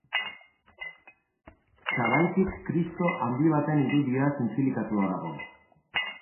Sabaitik Kristo handi baten irudia zintzilikatua dago.